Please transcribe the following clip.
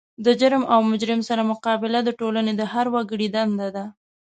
د جرم او مجرم سره مقابله د ټولنې د هر وګړي دنده ده.